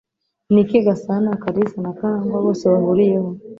Ni iki gasana, kalisa, na karangwa bose bahuriyeho?